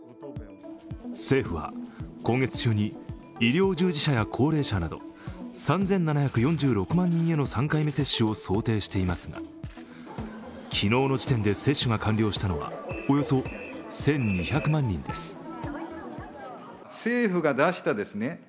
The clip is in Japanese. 政府は、今月中に医療従事者や高齢者など３７４６万人への３回目接種を想定していますが昨日の時点で接種が完了したのはおよそ１２００万人です。